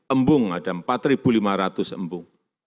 embung ada empat lima ratus embung